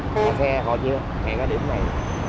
nhà xe họ chưa hẹn ở điểm này